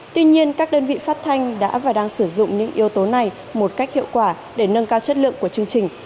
tuy nhiên các đơn vị phát thanh đã và đang sử dụng những yếu tố này một cách hiệu quả để nâng cao chất lượng của chương trình